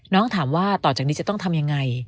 น้องถามว่าตอนจากนี้จะต้องทำอย่างไร